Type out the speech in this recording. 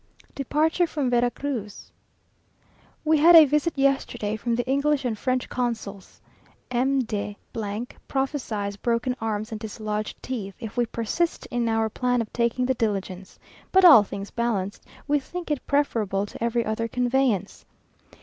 Departure from Vera Cruz We had a visit yesterday from the English and French consuls. M. de prophesies broken arms and dislodged teeth, if we persist in our plan of taking the diligence, but all things balanced, we think it preferable to every other conveyance.